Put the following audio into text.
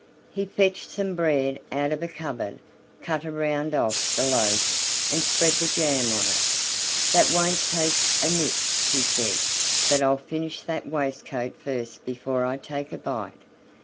He fetched some bread out of a cupboard, cut a round off the loaf, and spread the jam on it. "That won't taste amiss," he said; "but I'll finish that waistcoat first before I take a bite."